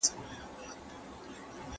ټولنه له افرادو جوړه سوې ده.